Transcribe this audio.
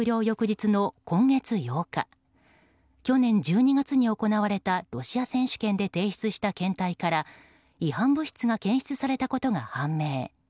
翌日の今月８日去年１２月に行われたロシア選手権で提出した検体から違反物質が検出されたことが判明。